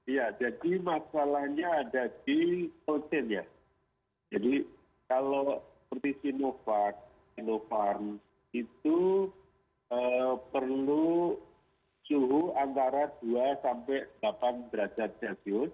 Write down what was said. ya jadi masalahnya ada di otin ya jadi kalau seperti sinovac sinovac itu perlu suhu antara dua sampai delapan derajat celcius